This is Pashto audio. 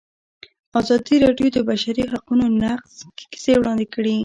ازادي راډیو د د بشري حقونو نقض کیسې وړاندې کړي.